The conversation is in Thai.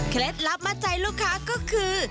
เคล็ดลับมาใจลูกค้าก็คือ